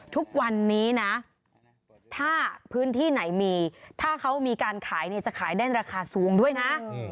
ทุกวันนี้นะถ้าพื้นที่ไหนมีถ้าเขามีการขายเนี่ยจะขายได้ราคาสูงด้วยนะ